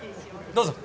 どうぞ。